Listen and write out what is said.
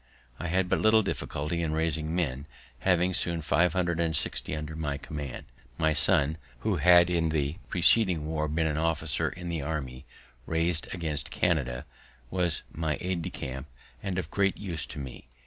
I had but little difficulty in raising men, having soon five hundred and sixty under my command. My son, who had in the preceding war been an officer in the army rais'd against Canada, was my aid de camp, and of great use to me.